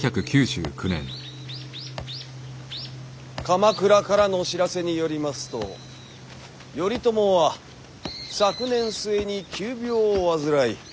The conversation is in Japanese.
鎌倉からの知らせによりますと頼朝は昨年末に急病を患い